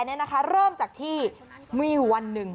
เริ่มจากที่มีวันหนึ่ง